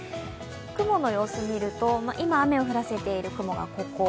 雲の様子を見ると、今、雨を降らせている雲がここ。